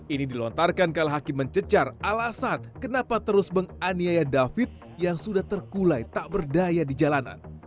ini dilontarkan kalau hakim mencecar alasan kenapa terus menganiaya david yang sudah terkulai tak berdaya di jalanan